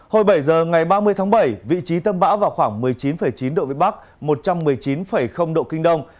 hồi bảy giờ ngày ba mươi tháng bảy vị trí tâm bão vào khoảng một mươi chín chín độ vĩ bắc một trăm một mươi chín độ kinh đông